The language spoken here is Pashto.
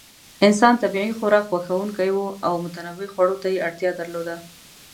انسان طبیعي خوراک خوښونکی و او متنوع خوړو ته یې اړتیا درلوده.